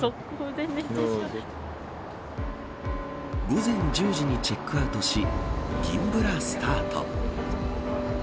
午前１０時にチェックアウトし銀ブラスタート。